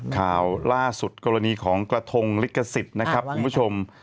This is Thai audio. ข่าวล่าสุดกรณีของกระทงลิขสิทธิ์นะครับคุณผู้ชม